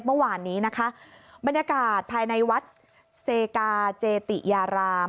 เมื่อวานนี้นะคะบรรยากาศภายในวัดเซกาเจติยาราม